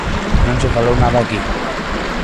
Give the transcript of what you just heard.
Non se falou nada aquí.